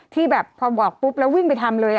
ที่แบบพอบอกปุ๊บแล้ววิ่งไปทำเลย